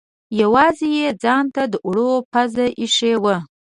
یوازې یې ځانته د اوړو پزه اېښې وه.